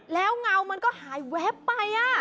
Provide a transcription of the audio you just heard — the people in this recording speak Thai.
แล้วเงามันก็หายแวบไป